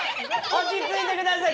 落ち着いてください！